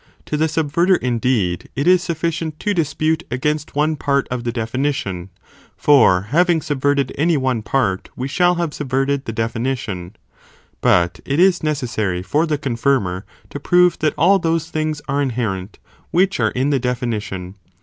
To the sub verter indeed, it is sufficient to dispute against one (part of the definition), (for having subverted any one part, we shall have subverted the definition, ) but it is necessary fon the confirmer, to prove that all those things are inherent, which are in the definition.